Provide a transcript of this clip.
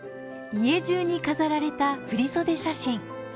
家じゅうに飾られた振り袖写真。